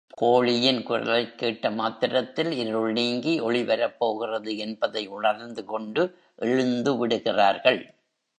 கோழியின் குரலைக் கேட்ட மாத்திரத்தில் இருள் நீங்கி ஒளி வரப்போகிறது என்பதை உணர்ந்து கொண்டு எழுந்துவிடுகிறார்கள்.